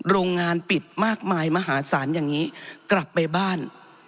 โรงงานปิดมากมายมหาศาลอย่างนี้กลับไปบ้าน